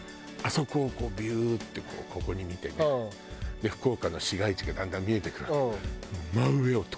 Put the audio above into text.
あそこをこうビューッてここに見てね福岡の市街地がだんだん見えてくるわけよ。